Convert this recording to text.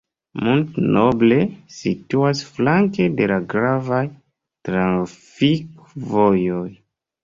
Mont-Noble situas flanke de la gravaj trafikvojoj.